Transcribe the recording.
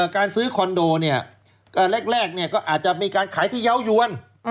การซื้อคอนโดเนี่ยก็แรกก็อาจจะมีการขายที่เยาว์ยวน